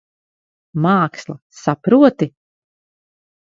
Māksla. Saproti?